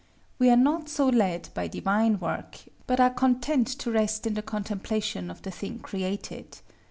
We are not so led by divine work, but are content to rest in the contemplation of the thing created.